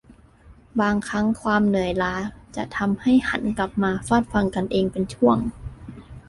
บางครั้งความเหนื่อยล้าจะทำให้หันกลับมาฟาดฟันกันเองเป็นช่วง